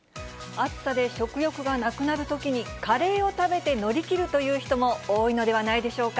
暑さで食欲がなくなるときに、カレーを食べて乗り切るという人も多いのではないでしょうか。